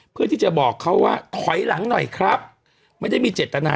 เพื่อที่จะบอกเขาว่าถอยหลังหน่อยครับไม่ได้มีเจตนา